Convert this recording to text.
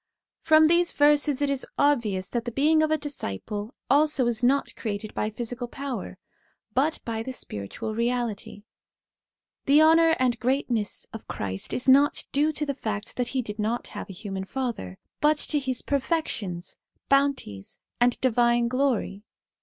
From these verses it is obvious that the being of a disciple also is not created by physical power, but by 102 SOME CHRISTIAN SUBJECTS 103 the spiritual reality. The honour and greatness of Christ is not due to the fact that he did not have a human father, but to his perfections, bounties, and divine glory.